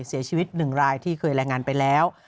เสียชีวิต๑รายที่เคยรายงานไปแล้ว